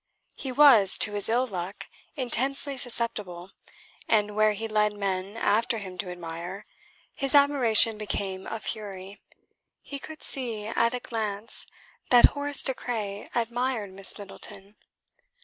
He was, to his ill luck, intensely susceptible, and where he led men after him to admire, his admiration became a fury. He could see at a glance that Horace De Craye admired Miss Middleton.